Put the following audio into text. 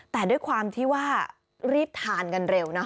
แต่ด้วยความที่ว่ารีบทานกันเร็วนะ